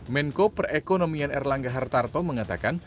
menko perekonomian erlangga hartarto mengatakan